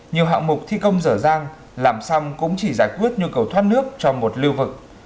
nhiều hạng mục thi công dở dang làm xong cũng chỉ giải quyết nhu cầu thoát nước cho một lưu vực